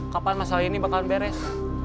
kapan masalah ini bakal beres